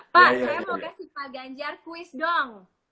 pak saya mau kasih pak ganjar kuis dong